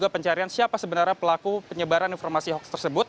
pencarian siapa sebenarnya pelaku penyebaran informasi hoax tersebut